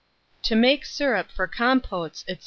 TO MAKE SYRUP FOR COMPOTES, &c.